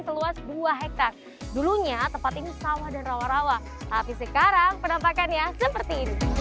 seluas dua hektare dulunya tempat ini sawah dan rawa rawa tapi sekarang penampakannya seperti ini